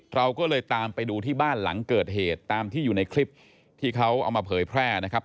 เราก็เลยตามไปดูที่บ้านหลังเกิดเหตุตามที่อยู่ในคลิปที่เขาเอามาเผยแพร่นะครับ